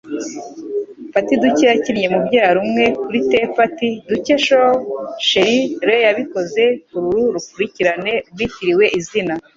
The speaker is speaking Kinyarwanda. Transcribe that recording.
Patty Duke yakinnye mubyara umwe kuri "The Patty Duke Show" & Sheryl Lee yabikoze kururu rukurikirane rwitiriwe izina